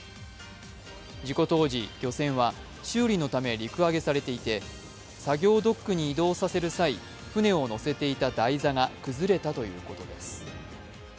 事故当時、漁船は修理のため陸揚げされていて作業ドックに移動させる際船を載せていた台座が崩れたということです。